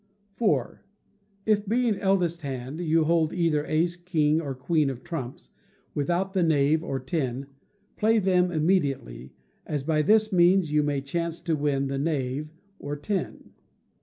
iv. If, being eldest hand, you hold either ace, king, or queen of trumps, without the knave or ten, play them immediately, as, by this means, you may chance to win the knave or ten.